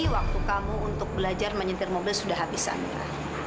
waktu kamu untuk belajar menyentir mobil sudah habis sandra